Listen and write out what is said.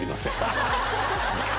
ハハハ